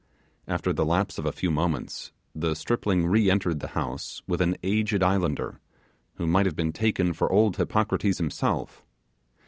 After the lapse of a few moments the stripling re entered the house with an aged islander, who might have been taken for old Hippocrates himself.